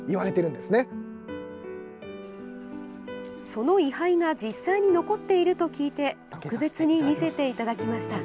その位はいが実際に残っていると聞いて特別に見せていただきました。